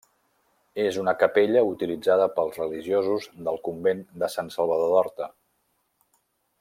És una capella utilitzada pels religiosos del convent de Sant Salvador d'Horta.